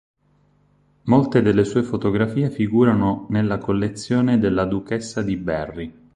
Molte delle sue fotografie figurano nella collezione della Duchessa di Berry.